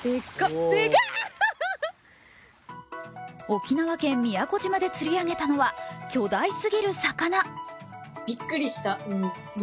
沖縄県宮古島でつり上げたのは巨大すぎる魚。